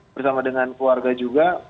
bersama dengan keluarga juga